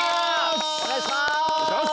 お願いします。